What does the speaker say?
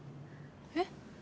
えっ？